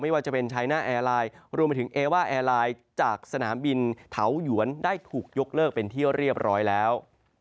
แอร์ไลน์รวมมาถึงเอว่าแอร์ไลน์จากสนามบินเถาหยวนได้ถูกยกเลิกเป็นที่เรียบร้อยแล้ว